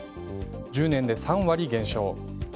１０年で３割減少。